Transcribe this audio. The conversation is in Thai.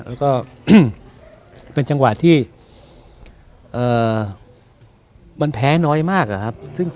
แล้วก็เป็นจังหวัดนะฮะ